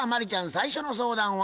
最初の相談は？